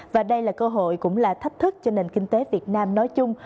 và đây là cơ hội cũng là thách thức cho nền kinh tế việt nam nói chung